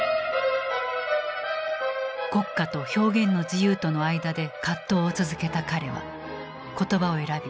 国家と表現の自由との間で葛藤を続けた彼は言葉を選び